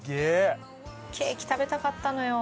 ケーキ食べたかったのよ。